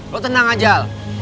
lo tenang aja alv